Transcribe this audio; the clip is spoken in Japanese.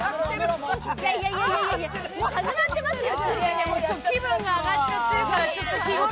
いやいや、もう始まってますよ。